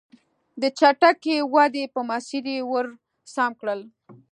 د چټکې ودې په مسیر یې ور سم کړل.